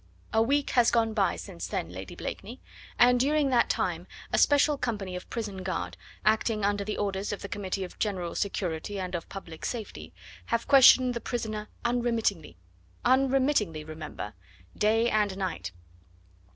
A week has gone by since then, Lady Blakeney, and during that time a special company of prison guard, acting under the orders of the Committee of General Security and of Public Safety, have questioned the prisoner unremittingly unremittingly, remember day and night.